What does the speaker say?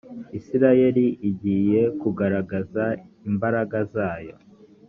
israheli igiye kugaragaza imbaraga zayo.